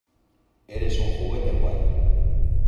Eres un juguete guay.